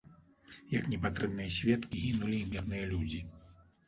Як непатрэбныя сведкі, гінулі і мірныя людзі.